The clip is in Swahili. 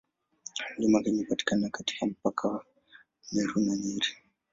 Mlima Kenya hupatikana katika mpaka wa Meru na Nyeri.